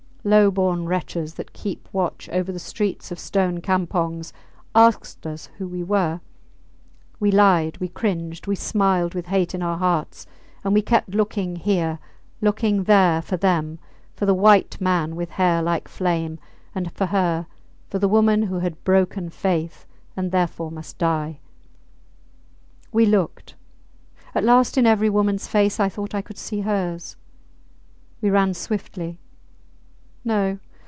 Low born wretches, that keep watch over the streets of stone campongs, asked us who we were. We lied, we cringed, we smiled with hate in our hearts, and we kept looking here, looking there for them for the white man with hair like flame, and for her, for the woman who had broken faith, and therefore must die. We looked. At last in every womans face I thought I could see hers. We ran swiftly. No!